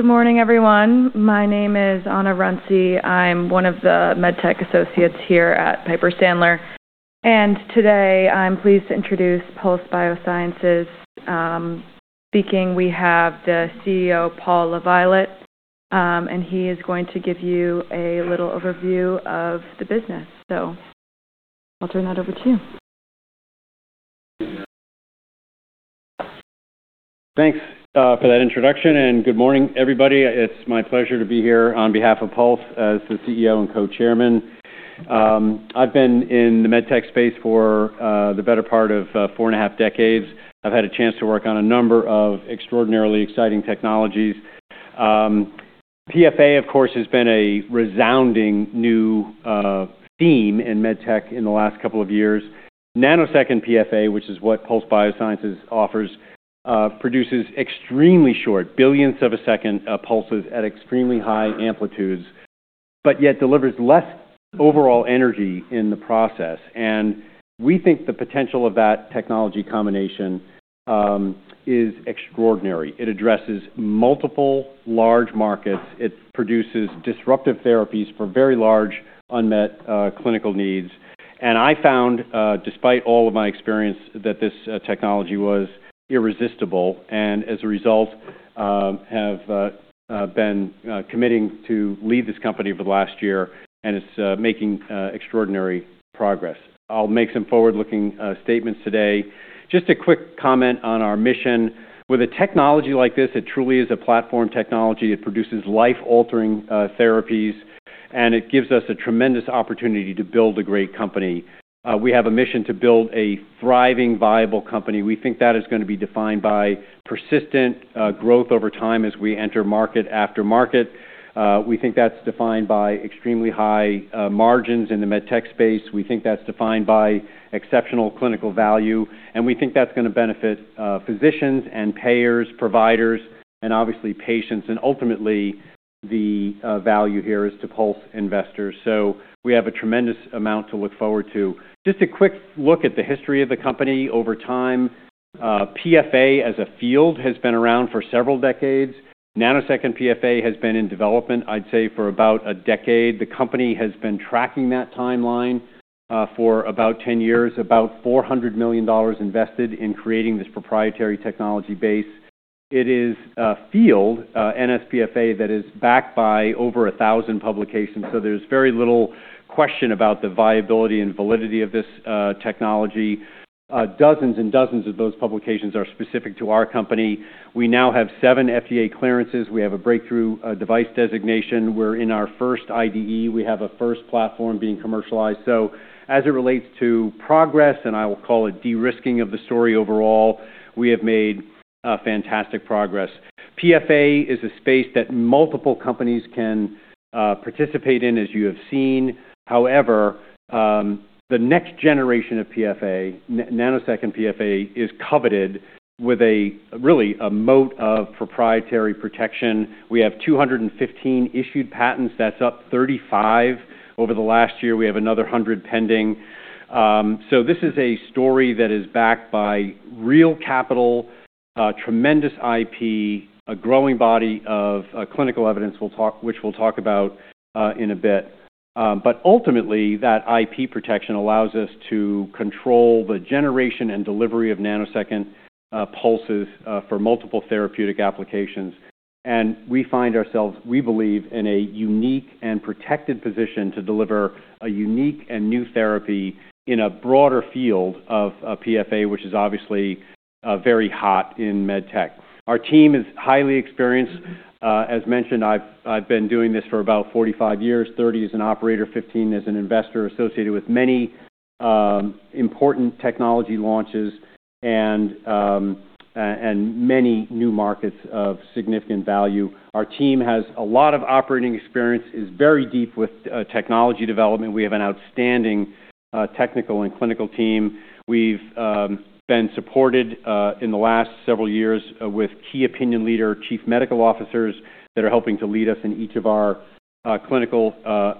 Good morning, everyone. My name is Ana Runcie. I'm one of the med tech associates here at Piper Sandler and today I'm pleased to introduce Pulse Biosciences. Speaking, we have the CEO, Paul LaViolette, and he is going to give you a little overview of the business, so I'll turn that over to you. Thanks for that introduction, and good morning, everybody. It's my pleasure to be here on behalf of Pulse as the CEO and Co-Chairman. I've been in the med tech space for the better part of four and a half decades. I've had a chance to work on a number of extraordinarily exciting technologies. PFA, of course, has been a resounding new theme in med tech in the last couple of years. Nanosecond PFA, which is what Pulse Biosciences offers, produces extremely short, billions of a second pulses at extremely high amplitudes, but yet delivers less overall energy in the process, and we think the potential of that technology combination is extraordinary. It addresses multiple large markets. It produces disruptive therapies for very large unmet clinical needs, and I found, despite all of my experience, that this technology was irresistible. As a result, I have been committing to leave this company for the last year, and it's making extraordinary progress. I'll make some forward-looking statements today. Just a quick comment on our mission. With a technology like this, it truly is a platform technology. It produces life-altering therapies, and it gives us a tremendous opportunity to build a great company. We have a mission to build a thriving, viable company. We think that is going to be defined by persistent growth over time as we enter market after market. We think that's defined by extremely high margins in the med tech space. We think that's defined by exceptional clinical value. We think that's going to benefit physicians and payers, providers, and obviously patients. Ultimately, the value here is to Pulse investors. We have a tremendous amount to look forward to. Just a quick look at the history of the company over time. PFA as a field has been around for several decades. Nanosecond PFA has been in development, I'd say, for about a decade. The company has been tracking that timeline for about 10 years, about $400 million invested in creating this proprietary technology base. It is a field, nsPFA, that is backed by over 1,000 publications. So there's very little question about the viability and validity of this technology. Dozens and dozens of those publications are specific to our company. We now have seven FDA clearances. We have a breakthrough device designation. We're in our first IDE. We have a first platform being commercialized. So as it relates to progress, and I will call it de-risking of the story overall, we have made fantastic progress. PFA is a space that multiple companies can participate in, as you have seen. However, the next generation of PFA, Nanosecond PFA, is covered with really a moat of proprietary protection. We have 215 issued patents. That's up 35 over the last year. We have another 100 pending. So this is a story that is backed by real capital, tremendous IP, a growing body of clinical evidence, which we'll talk about in a bit. But ultimately, that IP protection allows us to control the generation and delivery of nanosecond pulses for multiple therapeutic applications. And we find ourselves, we believe, in a unique and protected position to deliver a unique and new therapy in a broader field of PFA, which is obviously very hot in med tech. Our team is highly experienced. As mentioned, I've been doing this for about 45 years. 30 as an operator, 15 as an investor, associated with many important technology launches and many new markets of significant value. Our team has a lot of operating experience, is very deep with technology development. We have an outstanding technical and clinical team. We've been supported in the last several years with key opinion leaders, chief medical officers that are helping to lead us in each of our clinical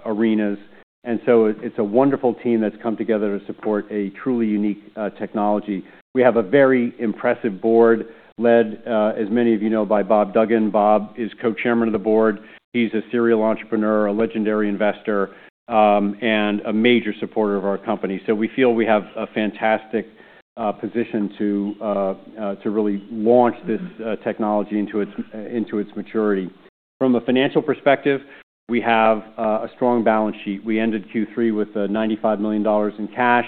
arenas. And so it's a wonderful team that's come together to support a truly unique technology. We have a very impressive board led, as many of you know, by Bob Duggan. Bob is co-chairman of the board. He's a serial entrepreneur, a legendary investor, and a major supporter of our company. So we feel we have a fantastic position to really launch this technology into its maturity. From a financial perspective, we have a strong balance sheet. We ended Q3 with $95 million in cash.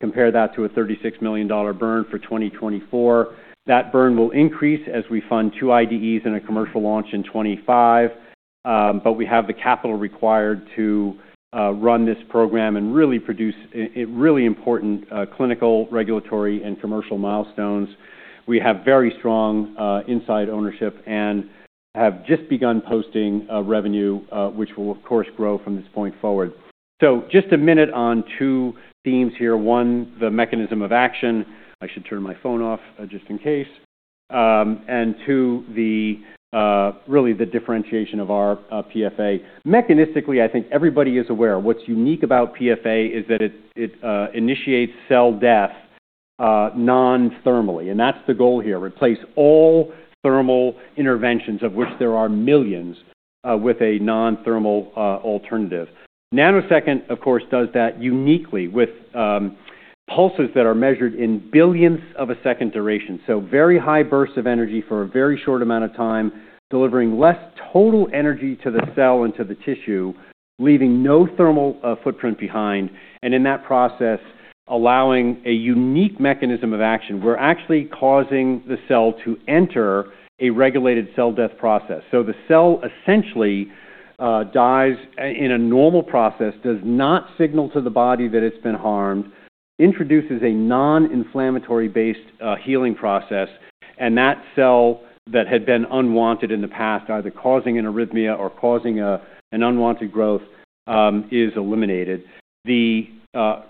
Compare that to a $36 million burn for 2024. That burn will increase as we fund two IDEs and a commercial launch in 2025. We have the capital required to run this program and really produce really important clinical, regulatory, and commercial milestones. We have very strong inside ownership and have just begun posting revenue, which will, of course, grow from this point forward. Just a minute on two themes here. One, the mechanism of action. I should turn my phone off just in case. Two, really the differentiation of our PFA. Mechanistically, I think everybody is aware. What's unique about PFA is that it initiates cell death non-thermally. That's the goal here, replace all thermal interventions, of which there are millions, with a non-thermal alternative. Nanosecond, of course, does that uniquely with pulses that are measured in billions of a second duration. So very high bursts of energy for a very short amount of time, delivering less total energy to the cell and to the tissue, leaving no thermal footprint behind. And in that process, allowing a unique mechanism of action. We're actually causing the cell to enter a regulated cell death process. So the cell essentially dies in a normal process, does not signal to the body that it's been harmed, introduces a non-inflammatory-based healing process, and that cell that had been unwanted in the past, either causing an arrhythmia or causing an unwanted growth, is eliminated. The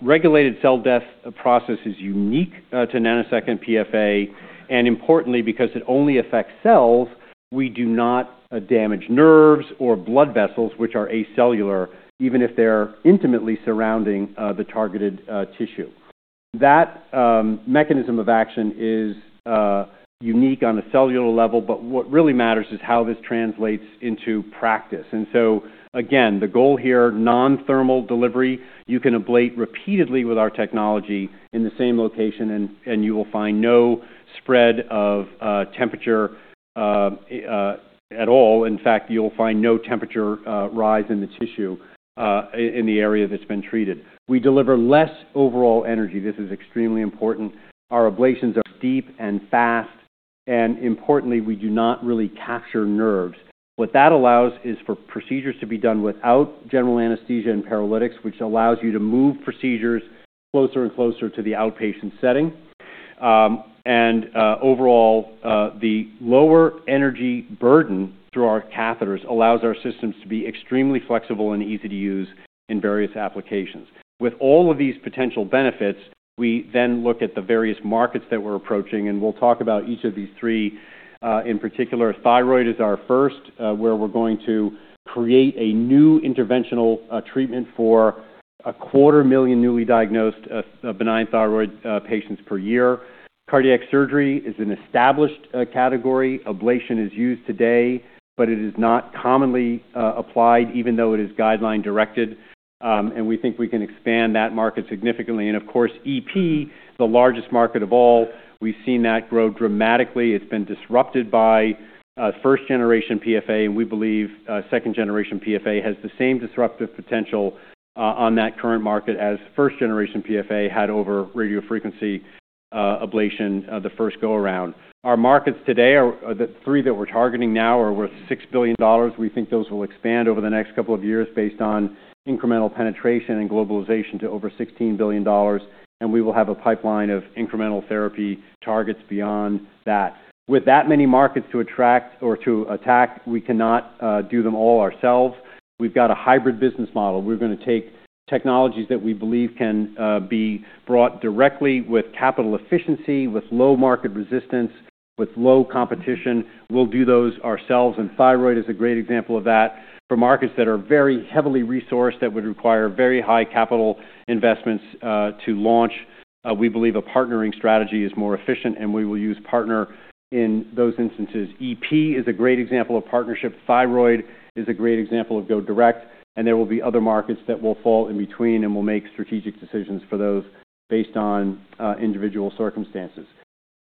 regulated cell death process is unique to nanosecond PFA. And importantly, because it only affects cells, we do not damage nerves or blood vessels, which are acellular, even if they're intimately surrounding the targeted tissue. That mechanism of action is unique on a cellular level, but what really matters is how this translates into practice, and so, again, the goal here, non-thermal delivery, you can ablate repeatedly with our technology in the same location, and you will find no spread of temperature at all. In fact, you'll find no temperature rise in the tissue in the area that's been treated. We deliver less overall energy. This is extremely important. Our ablations are deep and fast, and importantly, we do not really capture nerves. What that allows is for procedures to be done without general anesthesia and paralytics, which allows you to move procedures closer and closer to the outpatient setting, and overall, the lower energy burden through our catheters allows our systems to be extremely flexible and easy to use in various applications. With all of these potential benefits, we then look at the various markets that we're approaching, and we'll talk about each of these three in particular. Thyroid is our first, where we're going to create a new interventional treatment for 250,000 newly diagnosed benign thyroid patients per year. Cardiac surgery is an established category. Ablation is used today, but it is not commonly applied, even though it is guideline-directed. And we think we can expand that market significantly. And of course, EP, the largest market of all, we've seen that grow dramatically. It's been disrupted by first-generation PFA, and we believe second-generation PFA has the same disruptive potential on that current market as first-generation PFA had over radiofrequency ablation the first go-around. Our markets today, the three that we're targeting now are worth $6 billion. We think those will expand over the next couple of years based on incremental penetration and globalization to over $16 billion, and we will have a pipeline of incremental therapy targets beyond that. With that many markets to attract or to attack, we cannot do them all ourselves. We've got a hybrid business model. We're going to take technologies that we believe can be brought directly with capital efficiency, with low market resistance, with low competition. We'll do those ourselves, and thyroid is a great example of that. For markets that are very heavily resourced, that would require very high capital investments to launch, we believe a partnering strategy is more efficient, and we will use partner in those instances. EP is a great example of partnership. Thyroid is a great example of go direct. And there will be other markets that will fall in between, and we'll make strategic decisions for those based on individual circumstances.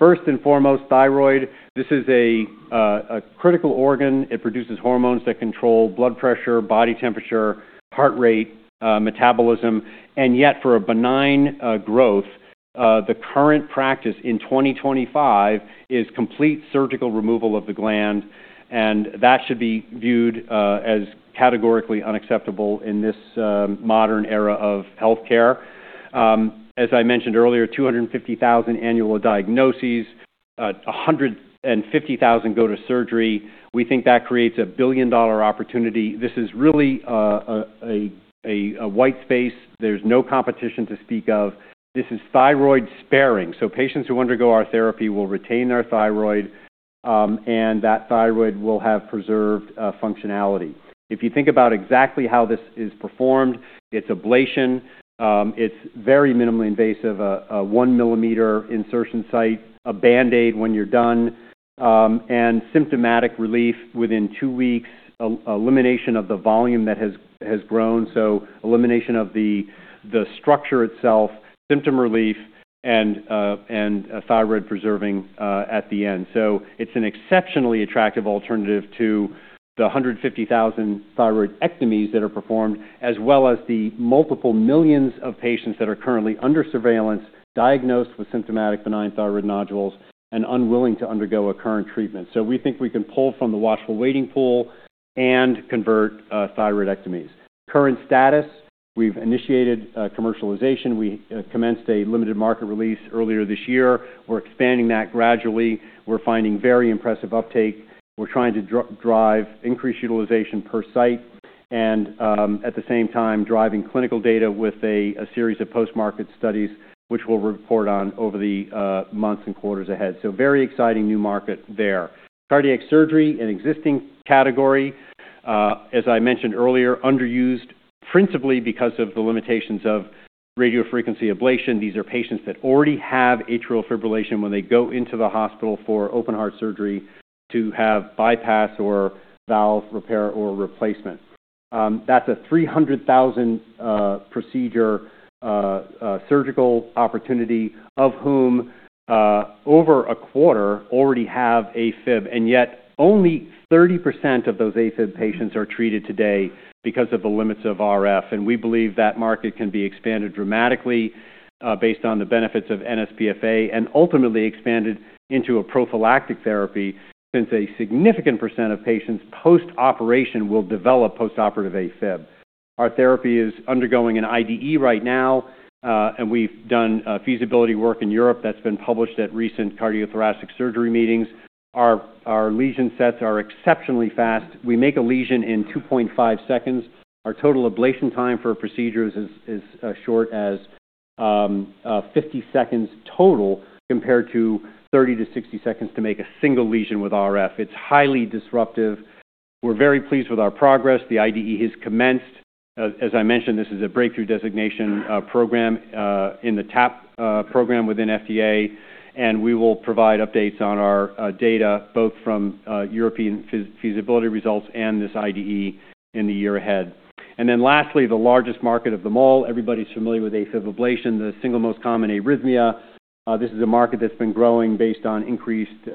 First and foremost, thyroid, this is a critical organ. It produces hormones that control blood pressure, body temperature, heart rate, metabolism. And yet, for a benign growth, the current practice in 2025 is complete surgical removal of the gland. And that should be viewed as categorically unacceptable in this modern era of healthcare. As I mentioned earlier, 250,000 annual diagnoses, 150,000 go to surgery. We think that creates a billion-dollar opportunity. This is really a white space. There's no competition to speak of. This is thyroid sparing. So patients who undergo our therapy will retain their thyroid, and that thyroid will have preserved functionality. If you think about exactly how this is performed, it's ablation. It's very minimally invasive, a 1-millimeter insertion site, a Band-Aid when you're done, and symptomatic relief within two weeks, elimination of the volume that has grown. So elimination of the structure itself, symptom relief, and thyroid preserving at the end. So it's an exceptionally attractive alternative to the 150,000 thyroidectomies that are performed, as well as the multiple millions of patients that are currently under surveillance, diagnosed with symptomatic benign thyroid nodules, and unwilling to undergo a current treatment. So we think we can pull from the watchful waiting pool and convert thyroidectomies. Current status, we've initiated commercialization. We commenced a limited market release earlier this year. We're expanding that gradually. We're finding very impressive uptake. We're trying to drive increased utilization per site and, at the same time, driving clinical data with a series of post-market studies, which we'll report on over the months and quarters ahead. Very exciting new market there. Cardiac surgery, an existing category. As I mentioned earlier, underused principally because of the limitations of radiofrequency ablation. These are patients that already have atrial fibrillation when they go into the hospital for open heart surgery to have bypass or valve repair or replacement. That's a 300,000-procedure surgical opportunity, of whom over a quarter already have AFib, and yet only 30% of those AFib patients are treated today because of the limits of RF, and we believe that market can be expanded dramatically based on the benefits of nsPFA and ultimately expanded into a prophylactic therapy since a significant percent of patients post-operation will develop postoperative AFib. Our therapy is undergoing an IDE right now, and we've done feasibility work in Europe that's been published at recent cardiothoracic surgery meetings. Our lesion sets are exceptionally fast. We make a lesion in 2.5 seconds. Our total ablation time for a procedure is as short as 50 seconds total compared to 30 to 60 seconds to make a single lesion with RF. It's highly disruptive. We're very pleased with our progress. The IDE has commenced. As I mentioned, this is a Breakthrough Device Designation in the TAP program within FDA, and we will provide updates on our data, both from European feasibility results and this IDE in the year ahead, and then lastly, the largest market of them all. Everybody's familiar with AFib ablation, the single most common arrhythmia. This is a market that's been growing based on increased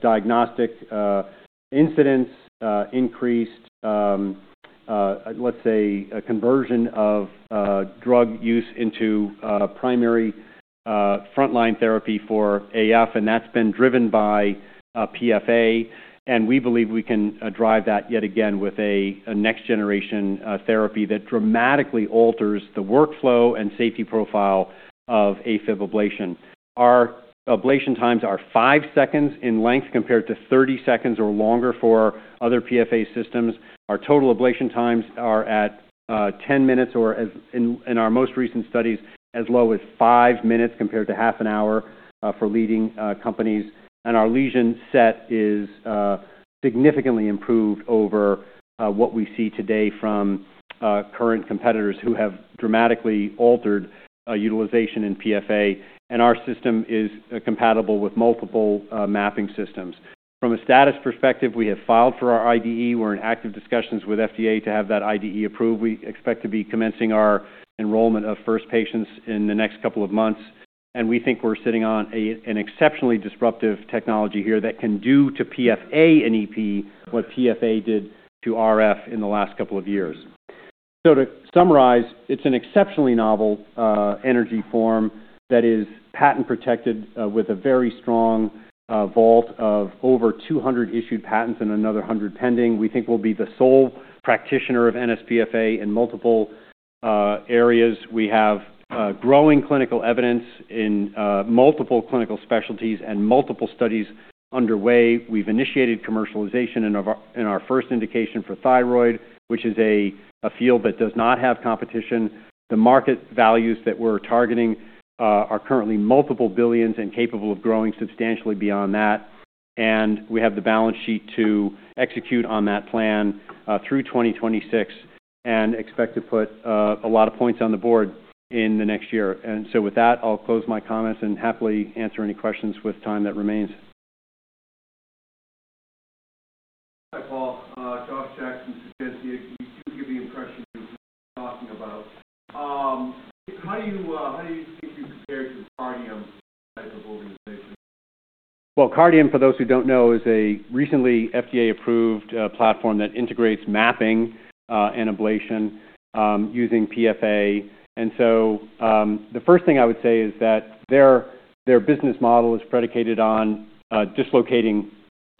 diagnostic incidence, increased, let's say, conversion of drug use into primary frontline therapy for AF, and that's been driven by PFA, and we believe we can drive that yet again with a next-generation therapy that dramatically alters the workflow and safety profile of AFib ablation. Our ablation times are five seconds in length compared to 30 seconds or longer for other PFA systems. Our total ablation times are at 10 minutes or, in our most recent studies, as low as five minutes compared to half an hour for leading companies. And our lesion set is significantly improved over what we see today from current competitors who have dramatically altered utilization in PFA. And our system is compatible with multiple mapping systems. From a status perspective, we have filed for our IDE. We're in active discussions with FDA to have that IDE approved. We expect to be commencing our enrollment of first patients in the next couple of months. And we think we're sitting on an exceptionally disruptive technology here that can do to PFA and EP what PFA did to RF in the last couple of years. To summarize, it's an exceptionally novel energy form that is patent-protected with a very strong vault of over 200 issued patents and another 100 pending. We think we'll be the sole practitioner of nsPFA in multiple areas. We have growing clinical evidence in multiple clinical specialties and multiple studies underway. We've initiated commercialization in our first indication for thyroid, which is a field that does not have competition. The market values that we're targeting are currently multiple billions and capable of growing substantially beyond that. And we have the balance sheet to execute on that plan through 2026 and expect to put a lot of points on the board in the next year. And so with that, I'll close my comments and happily answer any questions with time that remains. Hi, Paul. Josh Jackson suggested you do give the impression you're talking about. How do you think you compare to Cardium type of organization? Well, Cardium, for those who don't know, is a recently FDA-approved platform that integrates mapping and ablation using PFA. And so the first thing I would say is that their business model is predicated on dislocating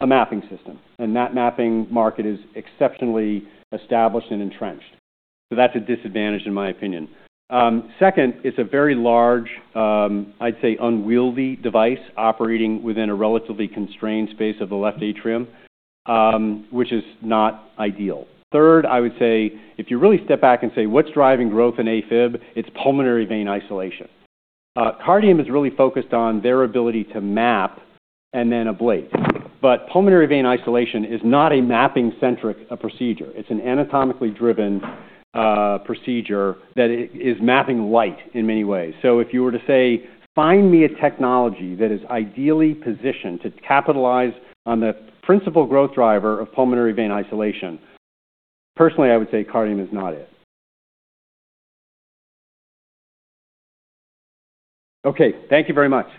a mapping system. And that mapping market is exceptionally established and entrenched. So that's a disadvantage, in my opinion. Second, it's a very large, I'd say, unwieldy device operating within a relatively constrained space of the left atrium, which is not ideal. Third, I would say, if you really step back and say, "What's driving growth in AFib?" It's pulmonary vein isolation. Cardium is really focused on their ability to map and then ablate. But pulmonary vein isolation is not a mapping-centric procedure. It's an anatomically driven procedure that is mapping light in many ways. So if you were to say, "Find me a technology that is ideally positioned to capitalize on the principal growth driver of pulmonary vein isolation," personally, I would say Cardium is not it. Okay. Thank you very much.